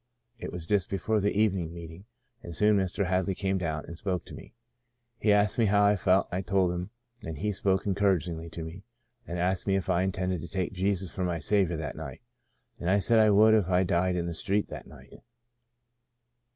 It was just before the evening meeting, and soon Mr. Hadley came down, and spoke to me. He asked me how I felt and I told him, and he spoke encourag ingly to me, and asked me if I intended to take Jesus for my Saviour that night, and I said I would if I died in the street that night.